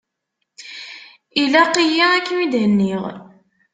Ilaq-yi ad kem-id-henniɣ.